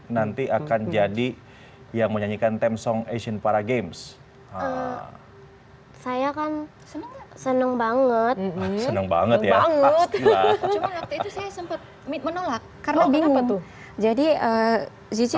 nanti akan jadi yang menyanyikan tamsong asian para games saya akan seneng banget seneng banget bingung jadi